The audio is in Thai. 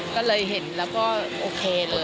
ก็เลยเห็นแล้วก็โอเคเลย